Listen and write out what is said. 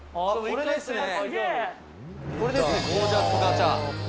「これですねゴージャスガチャ」